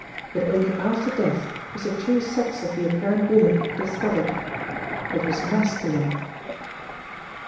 But only after death was the true sex of the apparent woman discovered. It was masculine!